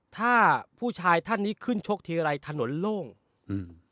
ถ้าผู้ชายท่านนี้ขึ้นชกทีไรถนนโล่งอืม